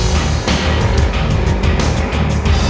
pernah apaan three roadset kali ya